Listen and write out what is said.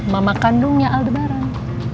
mama kandungnya aldebaran